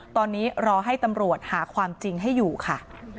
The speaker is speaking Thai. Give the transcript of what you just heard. ตอนนี้รอให้ตำรวจหาความจริงให้อยู่ค่ะ